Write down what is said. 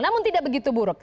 namun tidak begitu buruk